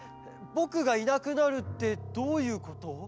ぼくがいなくなるってどういうこと？